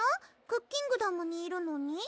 クッキングダムにいるのに？